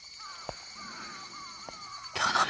頼む。